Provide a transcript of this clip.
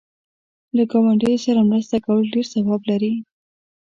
له گاونډیو سره مرسته کول ډېر ثواب لري.